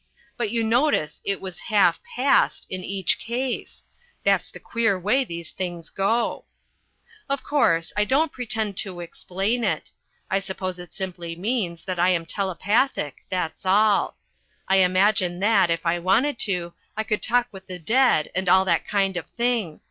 But you notice it was half past in each case. That's the queer way these things go. Of course, I don't pretend to explain it. I suppose it simply means that I am telepathic that's all. I imagine that, if I wanted to, I could talk with the dead and all that kind of thing.